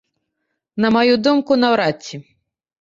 На маю думку, наўрад ці.